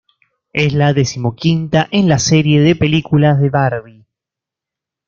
Es la decimoquinta en la serie de películas de Barbie.